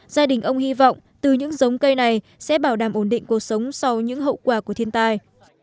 gia đình ông hy vọng từ những giống cây này sẽ bảo đảm ổn định cuộc sống sau những hậu quả của thiên tai